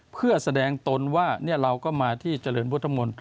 เพื่อแสดงตนว่าเราก็มาที่เจริญพุทธมนต์